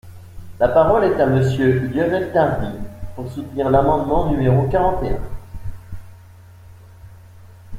La parole est à Monsieur Lionel Tardy, pour soutenir l’amendement numéro quarante et un.